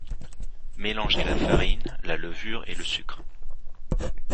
Mélanger la farine, la levure et le sucre